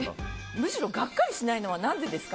むしろガッカリしないのは何でですか？